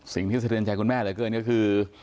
สิ่งที่เสด็จใจคุณแม่เหละเกินก็คือ